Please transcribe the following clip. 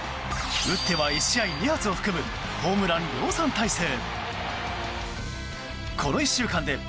打っては１試合２発を含むホームラン量産態勢。